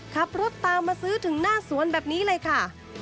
ขับรถตามมาซื้อถึงหน้าสวนแบบนี้เลยค่ะ